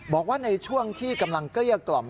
บอกว่าในช่วงที่กำลังเกลี้ยกล่อม